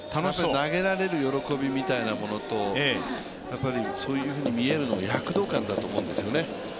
投げられる喜びみたいなものとやっぱりそういうふうに見えるのは躍動感だと思うんですよね。